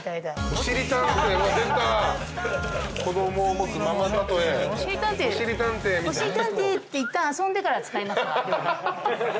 「おしりたんてい」っていったん遊んでから使います。